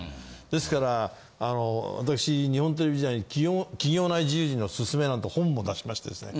ですからわたくし日本テレビ時代に『企業内自由人のすすめ』なんて本も出しましてですね